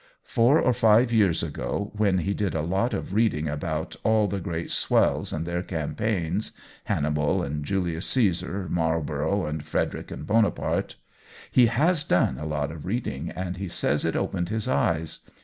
Four or five years ago, when he did a lot of reading about all the great swells and their campaigns — Hannibal and Julius Caesar, Marlborough and Frederick and Bonaparte. He has done a lot of reading, and he says it opened his eyes.